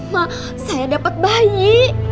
mak saya dapet bayi